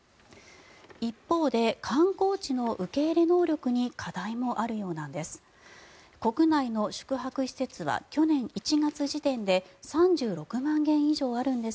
一方で観光地の受け入れ能力に課題もあるようなんです。